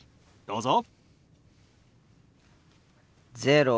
どうぞ。